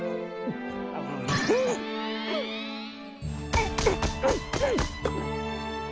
うっ！